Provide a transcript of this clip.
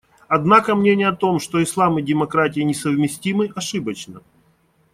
Однако мнение о том, что Ислам и демократия несовместимы, ошибочно.